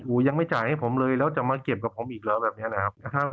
ยังไม่จ่ายให้ผมเลยแล้วจะมาเก็บกับผมอีกเหรอแบบนี้นะครับ